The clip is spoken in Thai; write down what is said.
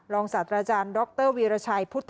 รองศาสตร์ออร์ศิลป์วีรชัยพุทธวงศ์